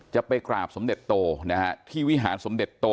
จะไปกราบสมเด็จโตนะฮะที่วิหารสมเด็จโต